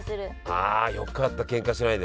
あよかったけんかしないで。